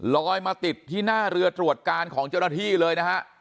ลอยมาติดที่หน้าเรือตรวจการของเจ้าหน้าที่เลยนะฮะ